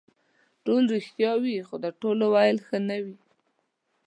ټول رښتیا ښه وي خو د ټولو ویل ښه نه وي.